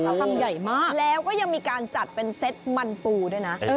แล้วทำใหญ่มากแล้วก็ยังมีการจัดเป็นเซตมันปูด้วยนะ